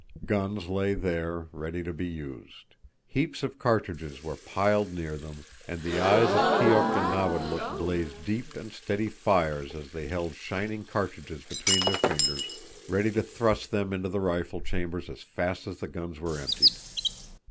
Guns lay there, ready to be used; heaps of cartridges were piled near them, and in the eyes of Keok and Nawadlook blazed deep and steady fires as they held shining cartridges between their fingers, ready to thrust them into the rifle chambers as fast as the guns were emptied.